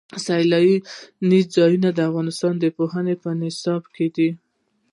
سیلاني ځایونه د افغانستان د پوهنې په نصاب کې دي.